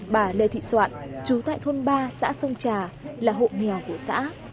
bà lê thị soạn chú tại thôn ba xã sông trà là hộ nghèo của xã